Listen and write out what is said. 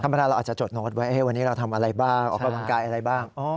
เวลาเราอาจจะจดโน้ตไว้วันนี้เราทำอะไรบ้างออกกำลังกายอะไรบ้าง